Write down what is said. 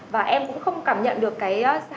và em cũng không cảm nhận được cái hạt sạng